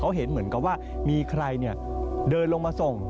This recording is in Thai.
เขาเห็นเหมือนกับว่ามีใครเดินลงมาส่ง